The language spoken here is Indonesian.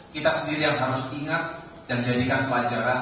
kita sendiri yang harus ingat dan jadikan pelajaran